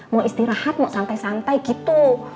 mau istirahat mau santai santai gitu